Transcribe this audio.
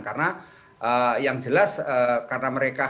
karena yang jelas karena mereka